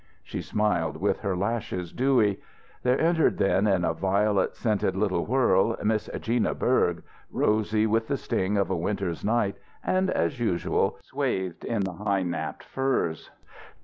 She smiled with her lashes dewy. There entered then, in a violet scented little whirl, Miss Gina Berg, rosy with the sting of a winter's night, and, as usual, swathed in the high napped furs.